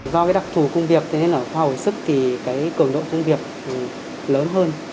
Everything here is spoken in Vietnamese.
do cái đặc thù công việc thế nên là khoa học sức thì cái cường động công việc lớn